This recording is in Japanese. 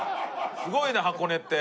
すごいな箱根って。